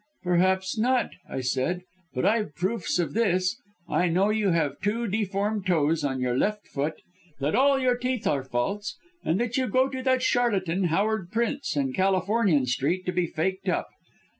"'Perhaps not,' I said, 'but I've proofs of this. I know you have two deformed toes on your left foot, that all your teeth are false, and that you go to that charlatan, Howard Prince, in Californian Street to be faked up.